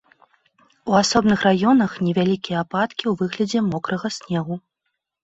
У асобных раёнах невялікія ападкі ў выглядзе мокрага снегу.